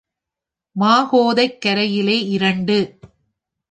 மகோதைக் கரையிலே இரண்டு.